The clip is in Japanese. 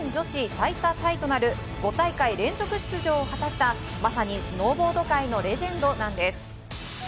冬季競技の日本女子最多タイとなる５大会連続の出場を果たした、まさにスノーボード界のレジェンドなんです。